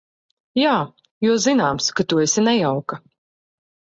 Jā, jo zināms, ka tu esi nejauka.